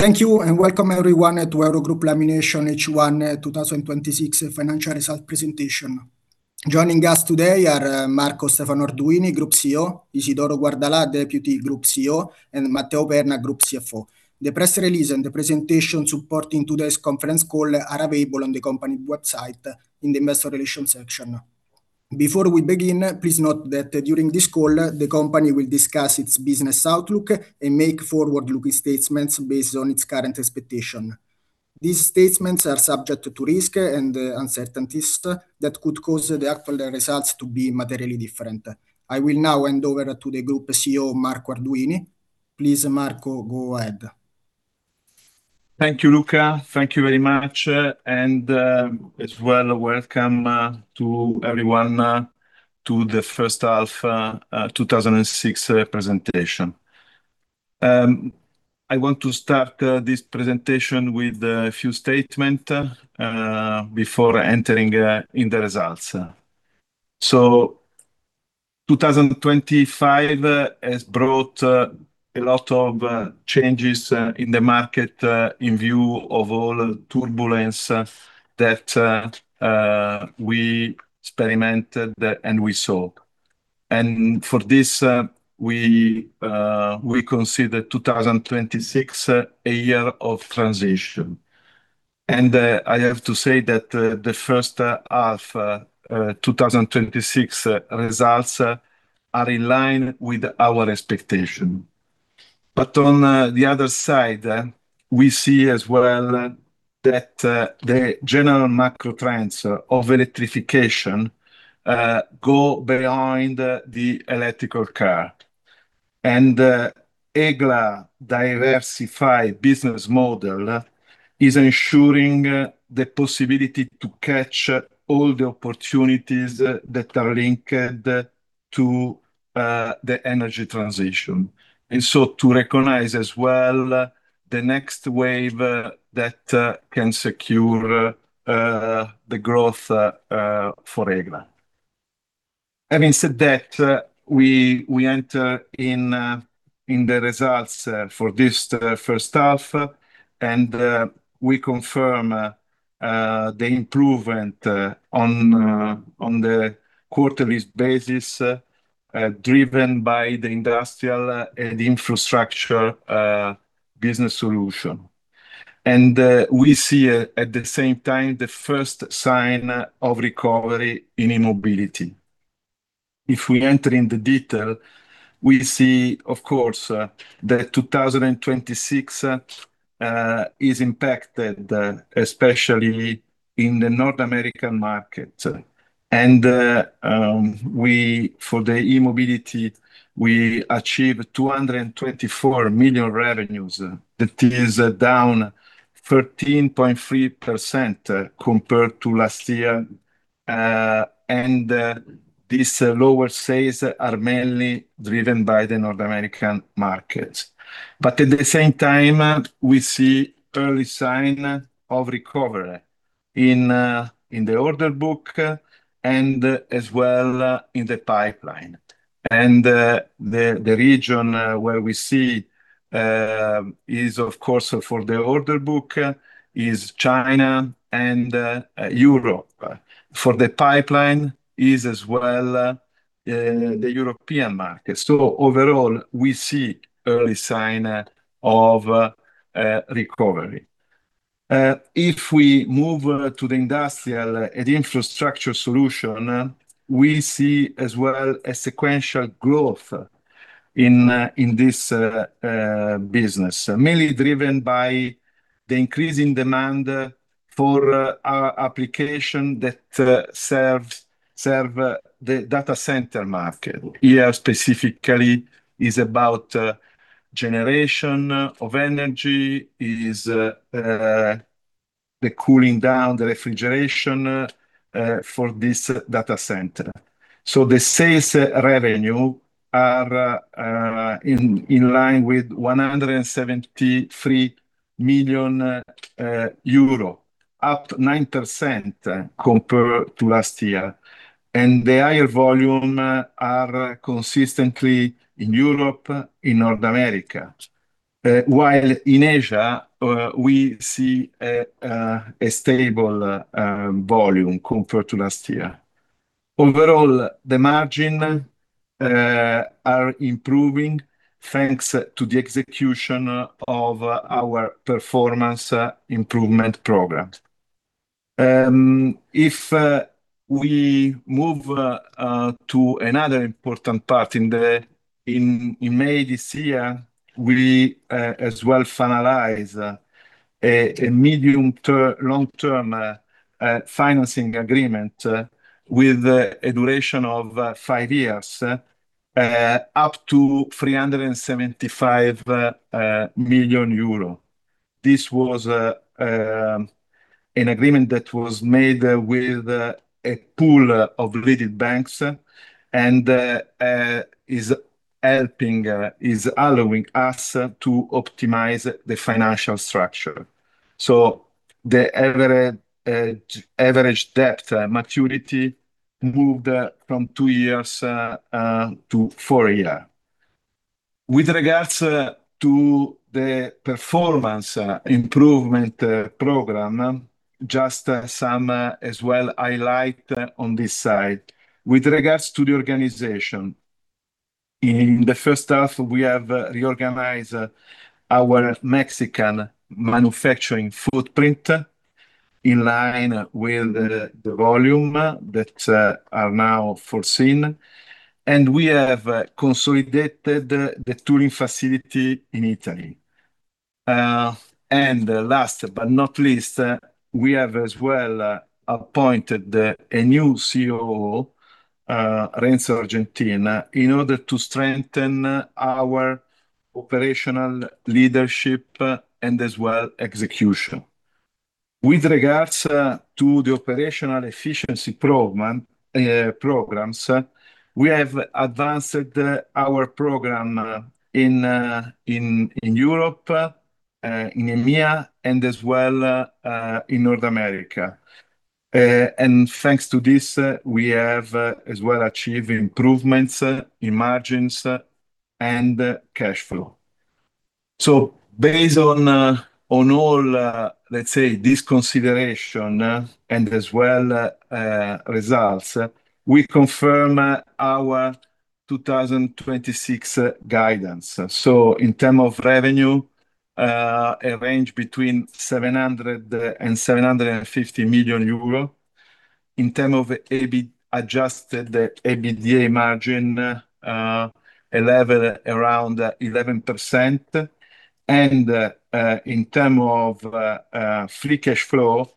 Thank you, and welcome everyone to Eurogroup Laminations H1 2026 financial result presentation. Joining us today are Marco Stefano Arduini, Group Chief Executive Officer, Isidoro Guardalà, Deputy Group Chief Executive Officer, and Matteo Perna, Group Chief Financial Officer. The press release and the presentation supporting today's conference call are available on the company website in the investor relations section. Before we begin, please note that during this call, the company will discuss its business outlook and make forward-looking statements based on its current expectation. These statements are subject to risk and uncertainties that could cause the actual results to be materially different. I will now hand over to the Group Chief Executive Officer, Marco Arduini. Please, Marco, go ahead. Thank you, Luca. Thank you very much, as well, welcome to everyone to the first half 2026 presentation. I want to start this presentation with a few statement before entering in the results. 2025 has brought a lot of changes in the market in view of all turbulence that we experimented and we saw. For this, we consider 2026 a year of transition. I have to say that the first half 2026 results are in line with our expectation. On the other side, we see as well that the general macro trends of electrification go behind the electrical car. The EGLA diversified business model is ensuring the possibility to catch all the opportunities that are linked to the energy transition. To recognize as well the next wave that can secure the growth for EGLA. Having said that, we enter in the results for this first half and we confirm the improvement on the quarterly basis, driven by the industrial and infrastructure business solution. We see, at the same time, the first sign of recovery in mobility. If we enter in the detail, we see, of course, that 2026 is impacted, especially in the North American market. For the e-mobility, we achieved 224 million revenues. That is down 13.3% compared to last year. These lower sales are mainly driven by the North American markets. At the same time, we see early sign of recovery in the order book and as well in the pipeline. The region where we see is, of course, for the order book is China and Europe. For the pipeline is as well the European market. Overall, we see early sign of recovery. If we move to the industrial and infrastructure solution, we see as well a sequential growth in this business. Mainly driven by the increasing demand for our application that serve the data center market. Here specifically is about generation of energy, is the cooling down, the refrigeration for this data center. The sales revenue are in line with 173 million euro, up 9% compared to last year. The higher volume are consistently in Europe, in North America. While in Asia, we see a stable volume compared to last year. Overall, the margin are improving thanks to the execution of our performance improvement program. If we move to another important part, in May this year, we as well finalize a medium to long-term financing agreement with a duration of five years, up to 375 million euro. This was an agreement that was made with a pool of leading banks and is allowing us to optimize the financial structure. The average debt maturity moved from two years to four year. With regards to the performance improvement program, just some as well highlight on this side. With regards to the organization, in the first half, we have reorganized our Mexican manufacturing footprint in line with the volume that are now foreseen, and we have consolidated the tooling facility in Italy. Last but not least, we have as well appointed a new Chief Operating Officer, Renzo Argentin, in order to strengthen our operational leadership, and as well execution. With regards to the operational efficiency programs, we have advanced our program in Europe, in EMEA, and as well in North America. Thanks to this, we have as well achieved improvements in margins and cash flow. Based on all, let's say, this consideration and as well results, we confirm our 2026 guidance. In term of revenue, a range between 700 million-750 million euro. In term of adjusted EBITDA margin, around 11%. In term of free cash flow,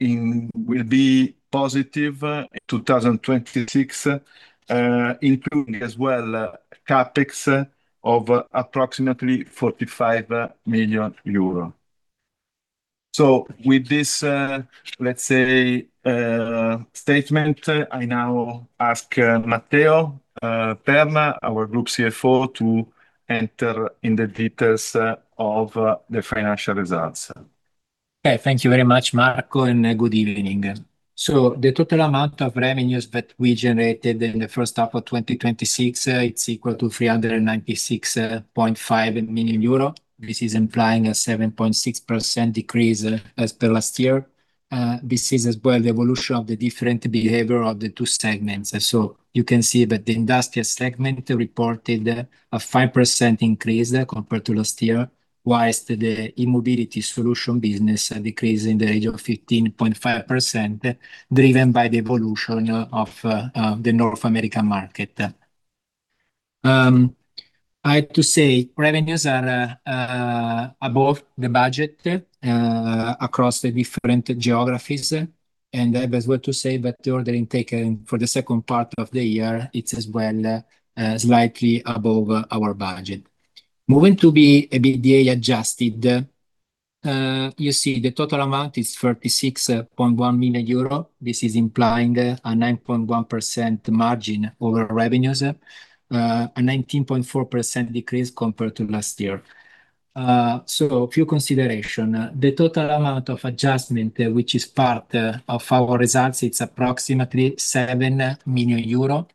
will be positive in 2026, including as well CapEx of approximately EUR 45 million. With this, let's say, statement, I now ask Matteo Perna, our group Chief Financial Officer, to enter in the details of the financial results. Okay. Thank you very much, Marco, and good evening. The total amount of revenues that we generated in the first half of 2026, it's equal to 396.5 million euro. This is implying a 7.6% decrease as per last year. This is as well the evolution of the different behavior of the two segments. You can see that the industrial segment reported a 5% increase compared to last year, whilst the e-mobility solution business a decrease in the range of 15.5%, driven by the evolution of the North American market. I have to say, revenues are above the budget across the different geographies, I've as well to say that the ordering taken for the second part of the year, it's as well slightly above our budget. Moving to the EBITDA adjusted, you see the total amount is 36.1 million euro. This is implying a 9.1% margin over revenues, a 19.4% decrease compared to last year. A few consideration. The total amount of adjustment, which is part of our results, it's approximately 7 million euro,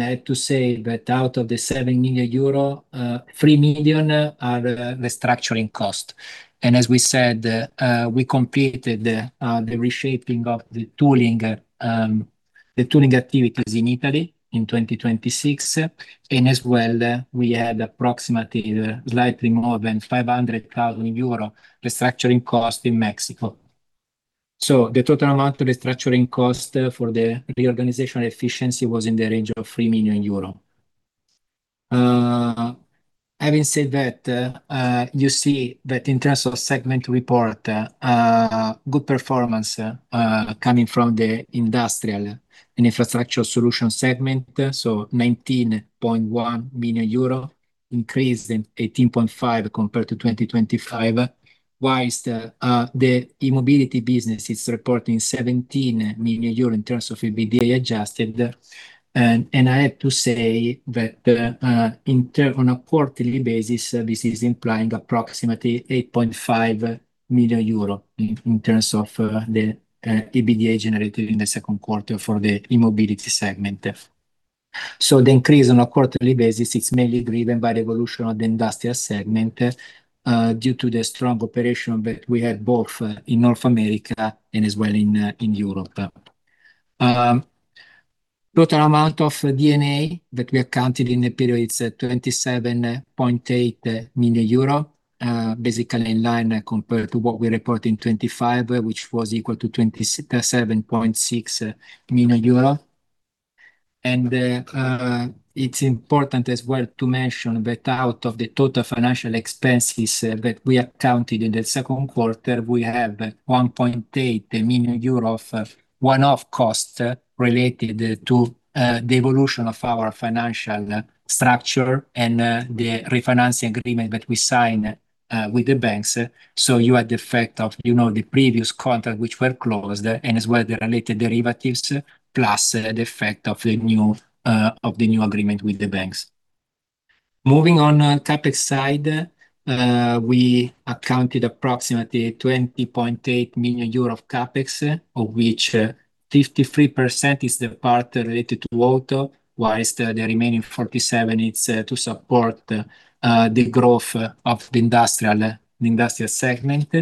I have to say that out of the 7 million euro, 3 million are restructuring cost. As we said, we completed the reshaping of the tooling activities in Italy in 2026. As well, we had approximately slightly more than 500,000 euro restructuring cost in Mexico. The total amount of restructuring cost for the reorganization efficiency was in the range of 3 million euro. Having said that, you see that in terms of segment report, good performance coming from the industrial and infrastructure solution segment, 19.1 million euro increase in 18.5% compared to 2025. Whilst the e-mobility business is reporting 17 million euro in terms of EBITDA adjusted. I have to say that on a quarterly basis, this is implying approximately 8.5 million euro in terms of the EBITDA generated in the second quarter for the e-mobility segment. The increase on a quarterly basis is mainly driven by the evolution of the industrial segment, due to the strong operation that we had both in North America and as well in Europe. Total amount of D&A that we accounted in the period it's 27.8 million euro, basically in line compared to what we report in 2025, which was equal to 27.6 million euro. It's important as well to mention that out of the total financial expenses that we accounted in the second quarter, we have 1.8 million euros of one-off cost related to the evolution of our financial structure and the refinancing agreement that we signed with the banks. You had the effect of the previous contract, which were closed, and as well, the related derivatives, plus the effect of the new agreement with the banks. Moving on on CapEx side, we accounted approximately 20.8 million euro of CapEx, of which 53% is the part related to auto, whilst the remaining 47% is to support the growth of the industrial segment.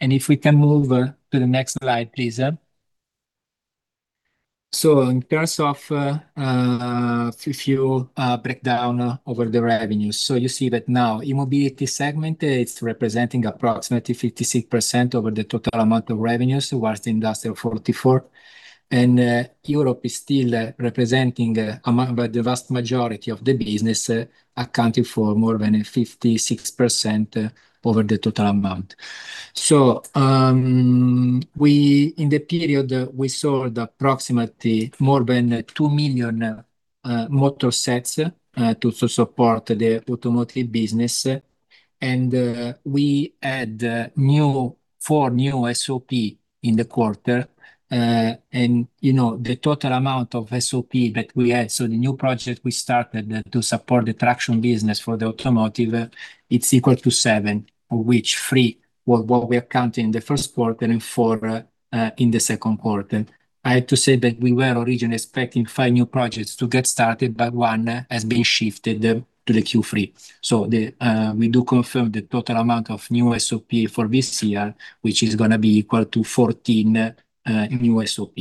If we can move to the next slide, please. In terms of a few breakdown over the revenues. You see that now, e-mobility segment is representing approximately 56% over the total amount of revenues, whilst industrial 44%, and Europe is still representing among the vast majority of the business, accounting for more than 56% over the total amount. In the period, we sold approximately more than two million motor sets to support the automotive business, and we add four new SOP in the quarter. The total amount of SOP that we had, so the new project we started to support the traction business for the automotive, it's equal to seven, of which three were what we accounted in the first quarter and four in the second quarter. I have to say that we were originally expecting five new projects to get started, but one has been shifted to the Q3. We do confirm the total amount of new SOP for this year, which is going to be equal to 14 new SOP.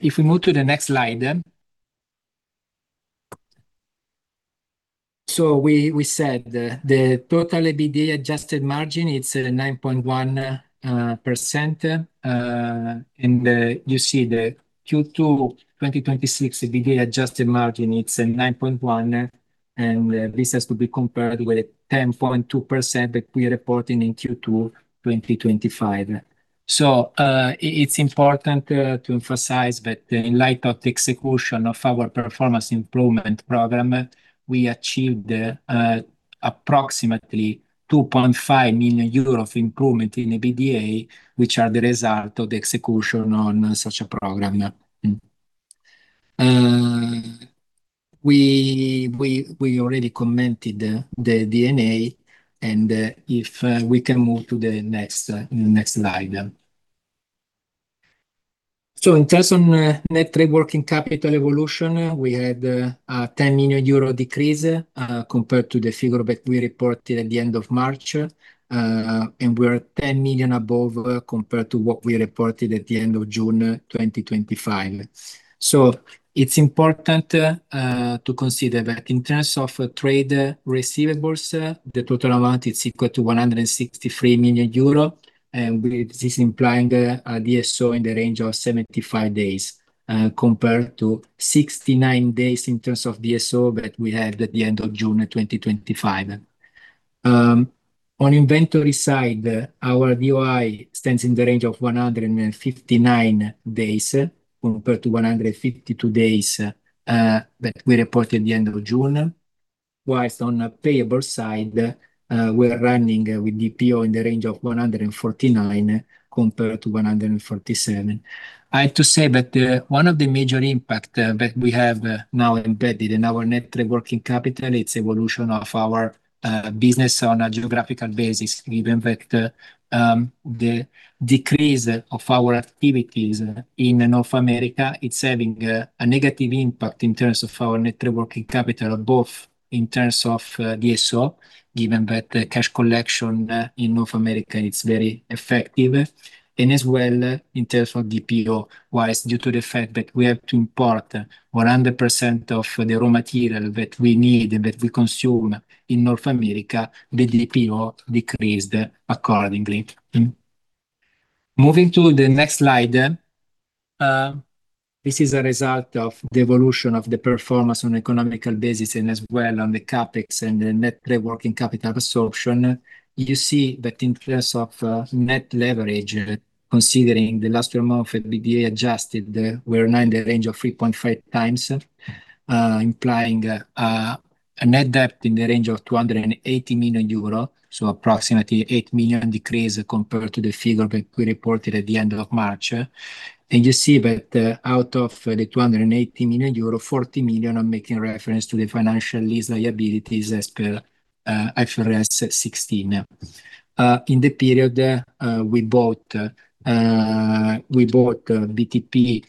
If we move to the next slide. We said the total EBITDA adjusted margin, it's at 9.1%. You see the Q2 2026 EBITDA adjusted margin, it's at 9.1%, and this has to be compared with 10.2% that we are reporting in Q2 2025. It's important to emphasize that in light of the execution of our performance improvement program, we achieved approximately 2.5 million euros of improvement in EBITDA, which are the result of the execution on such a program. We already commented the D&A. If we can move to the next slide. In terms of net working capital evolution, we had a 10 million euro decrease, compared to the figure that we reported at the end of March. We're at 10 million above compared to what we reported at the end of June 2025. It's important to consider that in terms of trade receivables, the total amount is equal to 163 million euro, and this is implying a DSO in the range of 75 days, compared to 69 days in terms of DSO that we had at the end of June 2025. On inventory side, our DOI stands in the range of 159 days compared to 152 days that we reported at the end of June. Whilst on a payable side, we're running with DPO in the range of 149 days compared to 147 days. I have to say that one of the major impact that we have now embedded in our net working capital, it's evolution of our business on a geographical basis, given that the decrease of our activities in North America, it's having a negative impact in terms of our net working capital, both in terms of DSO, given that the cash collection in North America is very effective. As well in terms of DPO, whilst due to the fact that we have to import 100% of the raw material that we need and that we consume in North America, the DPO decreased accordingly. Moving to the next slide. This is a result of the evolution of the performance on economical basis, and as well on the CapEx and the net working capital absorption. You see that in terms of net leverage, considering the last 12 months of EBITDA adjusted, we're now in the range of 3.5x, implying a net debt in the range of 280 million euro, so approximately 8 million decrease compared to the figure that we reported at the end of March. You see that out of the 280 million euro, 40 million are making reference to the financial lease liabilities as per IFRS 16. In the period, we bought BTP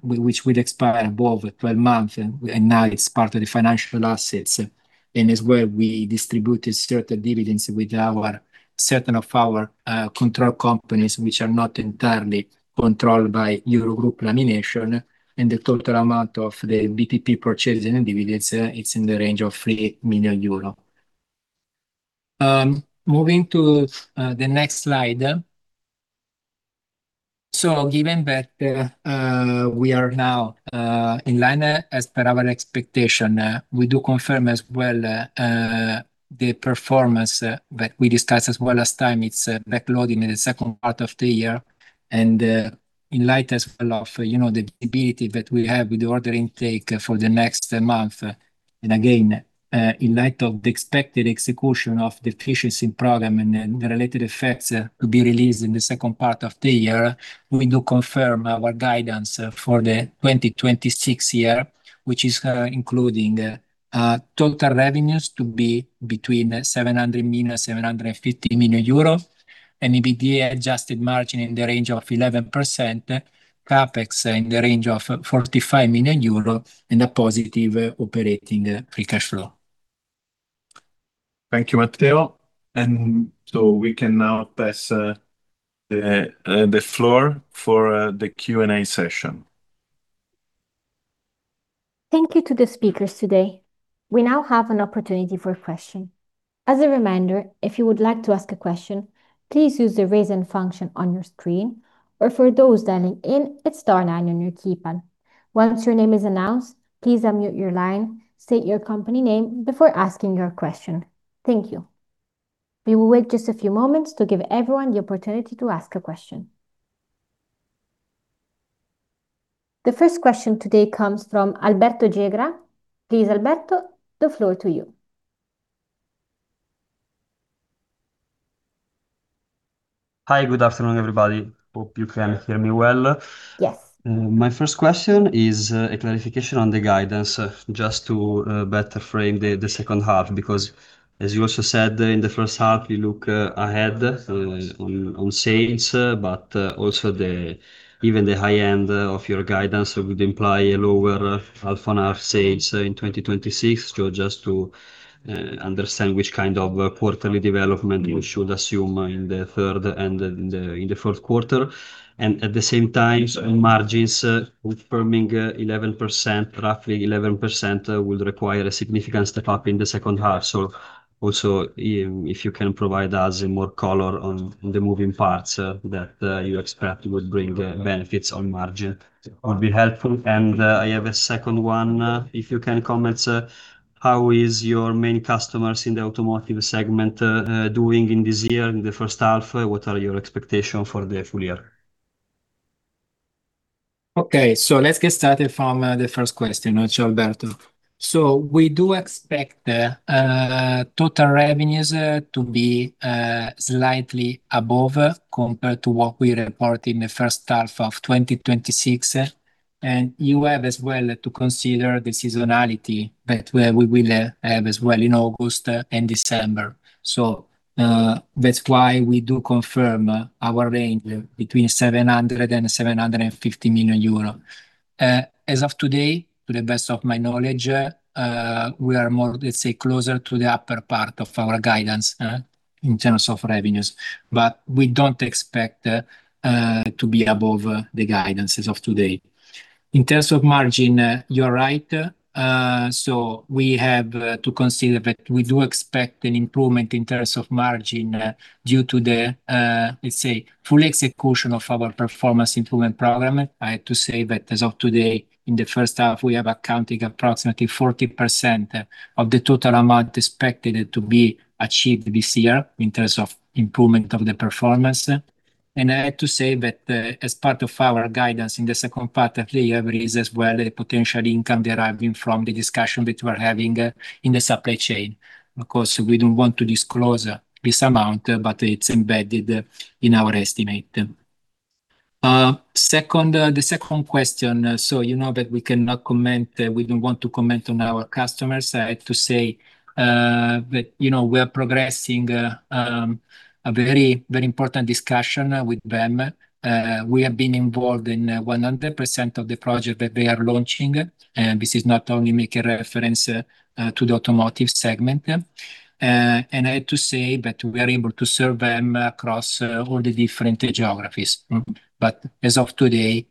which will expire above 12 months, and now it's part of the financial assets. As well, we distributed certain dividends with certain of our controlled companies, which are not entirely controlled by Eurogroup Laminations, and the total amount of the BTP purchase and dividends, it's in the range of 3 million euro. Moving to the next slide. Given that we are now in line as per our expectation, we do confirm as well, the performance that we discussed as well last time, it's backloading in the second part of the year. In light as well of the visibility that we have with the order intake for the next month and again, in light of the expected execution of the efficiency program and the related effects to be released in the second part of the year, we do confirm our guidance for the 2026 year, which is including total revenues to be between 700 million-750 million euros, and EBITDA adjusted margin in the range of 11%, CapEx in the range of 45 million euro, and a positive operating free cash flow. Thank you, Matteo. We can now pass the floor for the question-and-answer session. Thank you to the speakers today. We now have an opportunity for a question. As a reminder, if you would like to ask a question, please use the raise hand function on your screen, or for those dialing in, it is star nine on your keypad. Once your name is announced, please unmute your line, state your company name before asking your question. Thank you. We will wait just a few moments to give everyone the opportunity to ask a question. The first question today comes from Alberto Gegra. Please, Alberto, the floor to you. Hi. Good afternoon, everybody. Hope you can hear me well. Yes. My first question is a clarification on the guidance just to better frame the second half, because as you also said in the first half, we look ahead on sales, but also even the high end of your guidance would imply a lower half on our sales in 2026. Just to understand which kind of quarterly development we should assume in the third and in the fourth quarter, and at the same time on margins confirming roughly 11% will require a significant step up in the second half. Also if you can provide us more color on the moving parts that you expect would bring benefits on margin would be helpful. I have a second one. If you can comment, how is your main customers in the automotive segment doing in this year, in the first half? What are your expectation for the full year? Okay, let's get started from the first question, Alberto. We do expect total revenues to be slightly above compared to what we report in the first half of 2026. You have as well to consider the seasonality that we will have as well in August and December. That's why we do confirm our range between 700 million-750 million euro. As of today, to the best of my knowledge, we are more, let's say, closer to the upper part of our guidance in terms of revenues. We don't expect to be above the guidance as of today. In terms of margin, you are right. We have to consider that we do expect an improvement in terms of margin due to the, let's say, full execution of our performance improvement program. I have to say that as of today, in the first half, we have accounting approximately 40% of the total amount expected to be achieved this year in terms of improvement of the performance. I have to say that as part of our guidance in the second part of the year, there is as well a potential income deriving from the discussion that we're having in the supply chain. Of course, we don't want to disclose this amount, but it's embedded in our estimate. The second question, you know that we don't want to comment on our customers. I have to say that we are progressing a very important discussion with them. We have been involved in 100% of the project that they are launching, and this is not only make a reference to the automotive segment. I have to say that we are able to serve them across all the different geographies. As of today,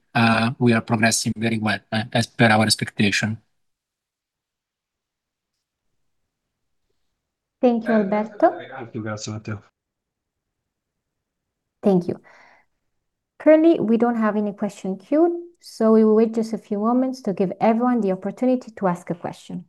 we are progressing very well as per our expectation. Thank you, Alberto. Thank you. Currently, we don't have any question queued, so we will wait just a few moments to give everyone the opportunity to ask a question.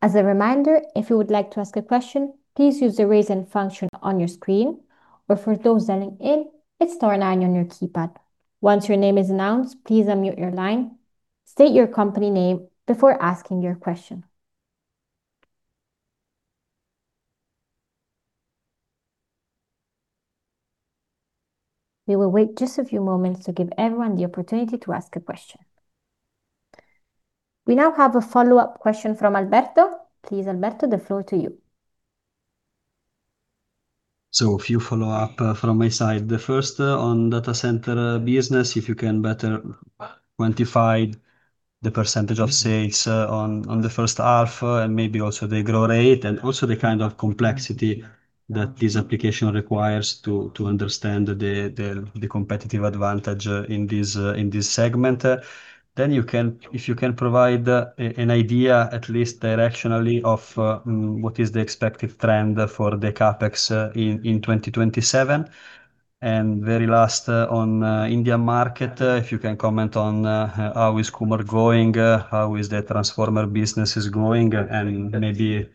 As a reminder, if you would like to ask a question, please use the raise hand function on your screen, or for those dialing in, it's star nine on your keypad. Once your name is announced, please unmute your line, state your company name before asking your question. We will wait just a few moments to give everyone the opportunity to ask a question. We now have a follow-up question from Alberto. Please, Alberto, the floor to you. A few follow-up from my side. The first on data center business, if you can better quantify the percentage of sales on the first half and maybe also the growth rate and also the kind of complexity that this application requires to understand the competitive advantage in this segment. If you can provide an idea, at least directionally, of what is the expected trend for the CapEx in 2027. Very last on India market, if you can comment on how is Kumar growing, how is the transformer business is growing, and maybe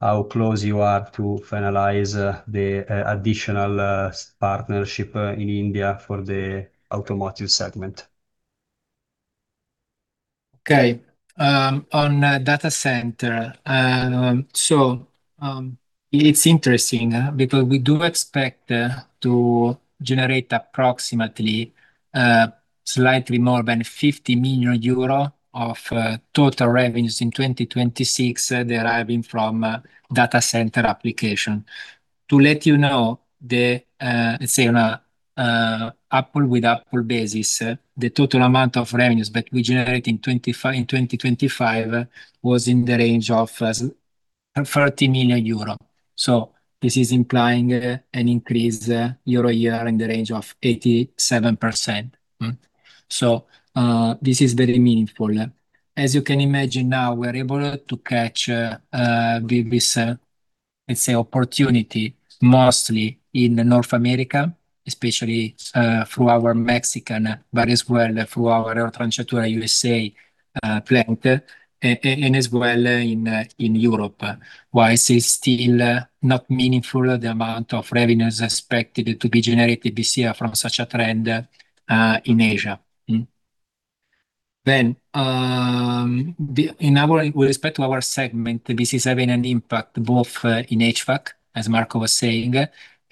how close you are to finalize the additional partnership in India for the automotive segment. Okay. On data center. It's interesting because we do expect to generate approximately slightly more than 50 million euro of total revenues in 2026 deriving from data center application. To let you know, let's say on an apple with apple basis, the total amount of revenues that we generate in 2025 was in the range of 30 million euro. This is implying an increase year-over-year in the range of 87%. This is very meaningful. As you can imagine now we're able to catch this, let's say, opportunity mostly in North America, especially through our Mexican, but as well through our Eurotranciatura USA plant, and as well in Europe. While it's still not meaningful the amount of revenues expected to be generated this year from such a trend in Asia. With respect to our segment, this is having an impact both in HVAC, as Marco was saying,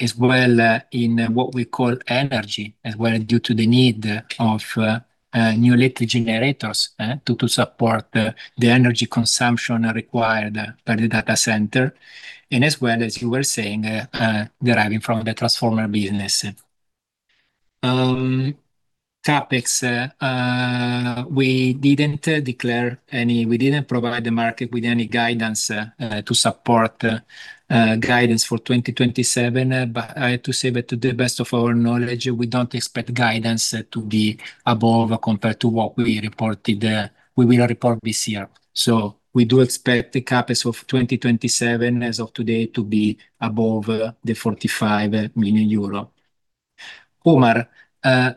as well in what we call energy, as well due to the need of new electric generators to support the energy consumption required by the data center. As well, as you were saying, deriving from the transformer business. CapEx, we didn't provide the market with any guidance to support guidance for 2027. I have to say that to the best of our knowledge, we don't expect guidance to be above compared to what we will report this year. We do expect the CapEx of 2027 as of today to be above 45 million euro. Kumar,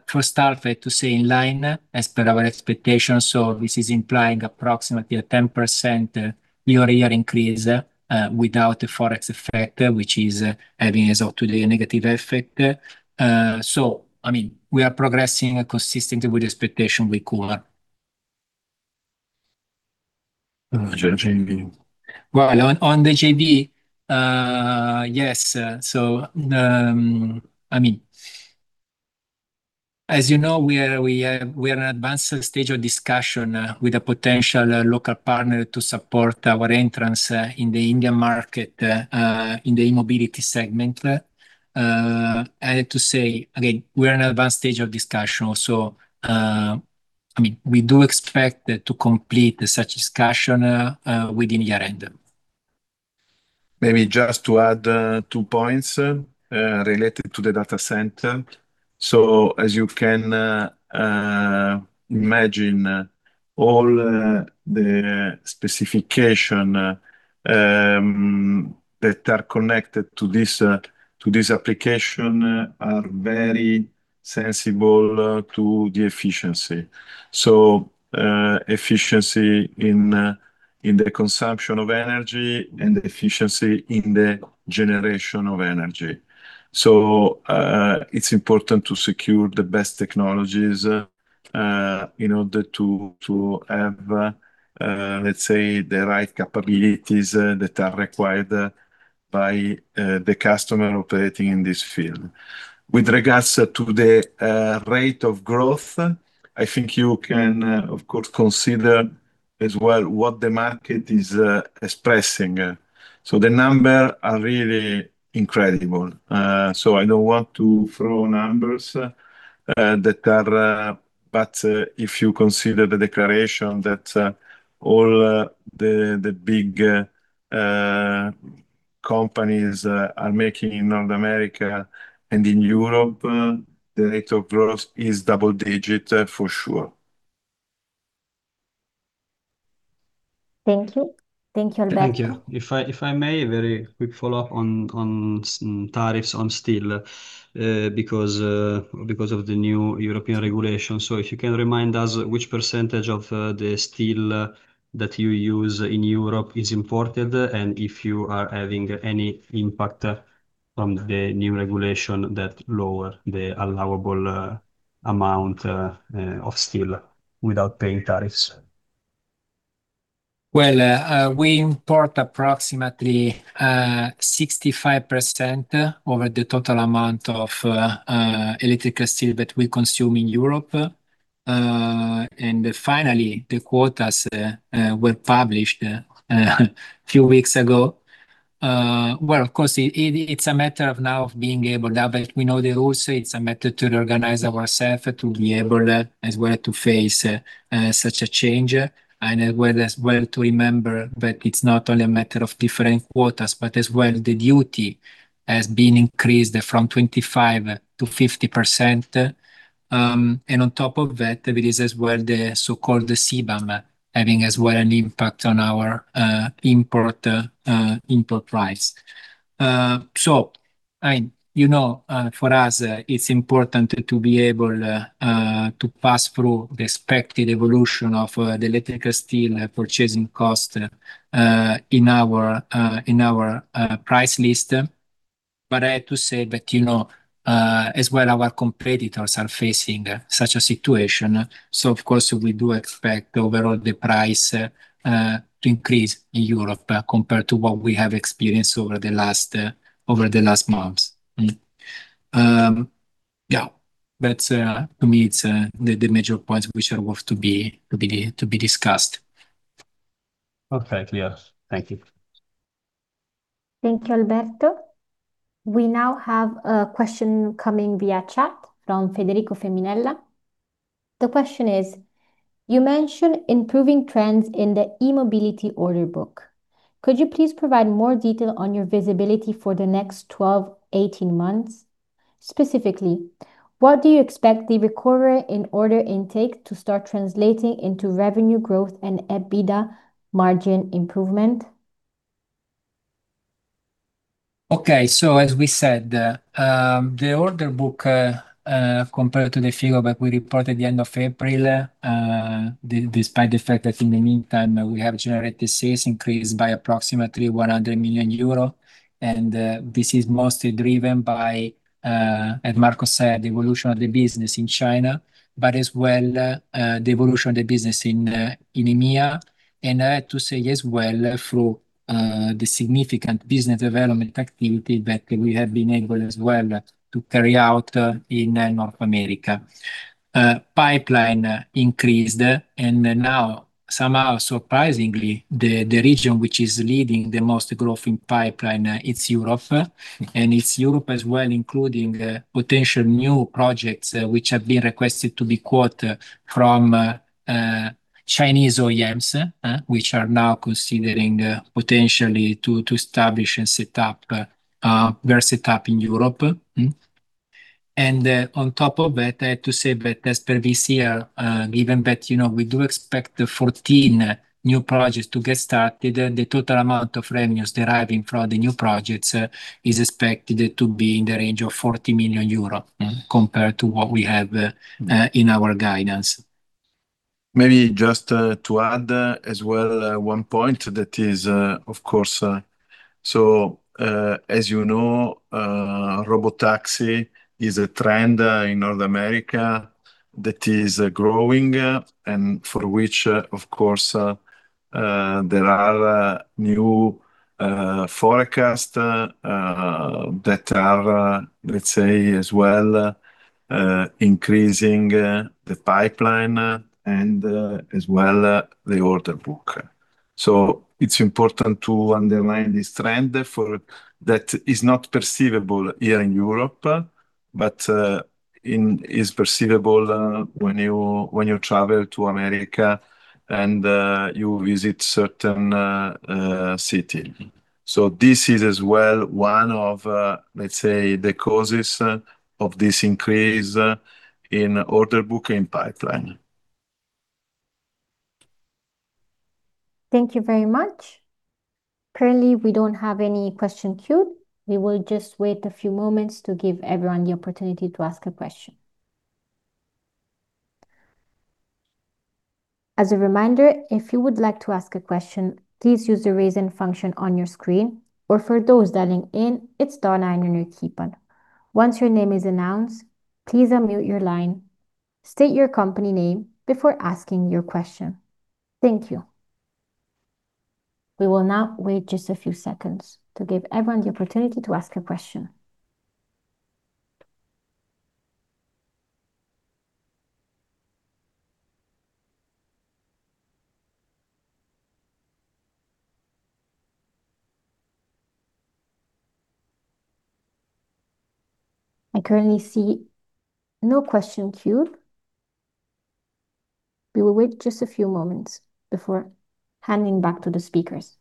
first half to stay in line as per our expectations. This is implying approximately a 10% year-over-year increase, without the Forex effect, which is having, as of today, a negative effect. We are progressing consistently with the expectation we call. On JV. On the JV, yes. As you know, we are in advanced stage of discussion with a potential local partner to support our entrance in the Indian market, in the e-mobility segment. I have to say again, we're in advanced stage of discussion also. We do expect to complete such discussion within year-end. Maybe just to add two points related to the data center. As you can imagine, all the specification that are connected to this application are very sensitive to the efficiency. Efficiency in the consumption of energy and efficiency in the generation of energy. It's important to secure the best technologies in order to have, let's say, the right capabilities that are required by the customer operating in this field. With regards to the rate of growth, I think you can, of course, consider as well what the market is expressing. The number are really incredible. I don't want to throw numbers, but if you consider the declaration that all the big companies are making in North America and in Europe, the rate of growth is double-digit for sure. Thank you. Thank you, Alberto. Thank you. If I may, very quick follow-up on tariffs on steel, because of the new European regulation. If you can remind us which percentage of the steel that you use in Europe is imported, and if you are having any impact from the new regulation that lower the allowable amount of steel without paying tariffs. Well, we import approximately 65% over the total amount of electrical steel that we consume in Europe. Finally, the quotas were published few weeks ago. Well, of course, it's a matter of now being able. Now that we know the rules, it's a matter to reorganize ourself to be able as well to face such a change. As well to remember that it's not only a matter of different quotas, but as well the duty has been increased from 25%-50%. On top of that, there is as well the so-called CBAM, having as well an impact on our import price. For us, it's important to be able to pass through the expected evolution of the electrical steel purchasing cost in our price list. I have to say that as well our competitors are facing such a situation. Of course, we do expect overall the price to increase in Europe compared to what we have experienced over the last months. To me, it's the major points which are worth to be discussed. Okay, clear. Thank you. Thank you, Alberto. We now have a question coming via chat from Federico Femminella. The question is, you mentioned improving trends in the e-mobility order book. Could you please provide more detail on your visibility for the next 12 months, 18 months? Specifically, what do you expect the recovery in order intake to start translating into revenue growth and EBITDA margin improvement? As we said, the order book, compared to the figure that we reported at the end of April, despite the fact that in the meantime we have generated sales increase by approximately 100 million euro, this is mostly driven by, as Marco said, the evolution of the business in China, but as well, the evolution of the business in EMEA. I have to say as well, through the significant business development activity that we have been able as well to carry out in North America. Pipeline increased and now, somehow surprisingly, the region which is leading the most growth in pipeline, it's Europe. It's Europe as well, including potential new projects which have been requested to be quote from Chinese OEMs, which are now considering potentially to establish and set up their setup in Europe. On top of that, I have to say that as per VCR, given that we do expect 14 new projects to get started, the total amount of revenues deriving from the new projects is expected to be in the range of 40 million euro compared to what we have in our guidance. Robotaxi is a trend in North America that is growing and for which, of course, there are new forecasts that are increasing the pipeline and the order book. It's important to underline this trend that is not perceivable here in Europe, but is perceivable when you travel to America and you visit certain cities. This is one of the causes of this increase in order book and pipeline. Thank you very much. Currently, we don't have any question queued. We will just wait a few moments to give everyone the opportunity to ask a question. As a reminder, if you would like to ask a question, please use the raise hand function on your screen, or for those dialing in, it's star 9 on your keypad. Once your name is announced, please unmute your line, state your company name before asking your question. Thank you. We will now wait just a few seconds to give everyone the opportunity to ask a question. I currently see no question queued. We will wait just a few moments before handing back to the speakers.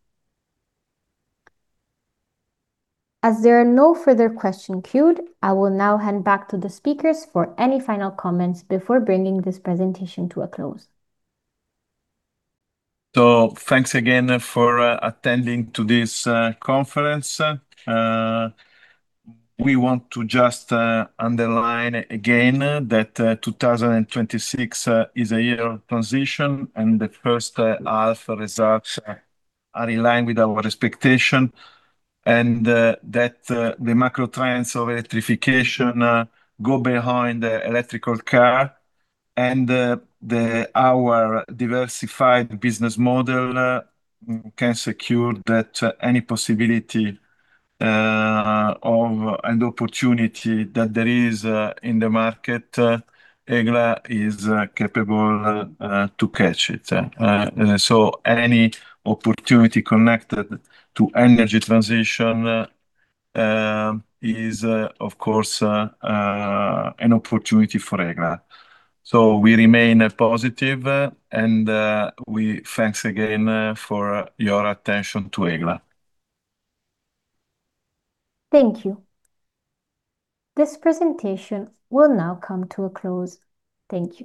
There are no further question queued, I will now hand back to the speakers for any final comments before bringing this presentation to a close. Thanks again for attending to this conference. We want to just underline again that 2026 is a year of transition, and the first half results are in line with our expectation, and that the macro trends of electrification go behind the electrical car and our diversified business model can secure that any possibility of an opportunity that there is in the market, Egla is capable to catch it. Any opportunity connected to energy transition is, of course, an opportunity for Egla. We remain positive, and we thanks again for your attention to Egla. Thank you. This presentation will now come to a close. Thank you.